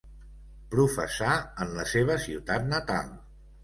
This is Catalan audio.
Professà, en la seva ciutat natal.